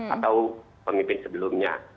atau pemimpin sebelumnya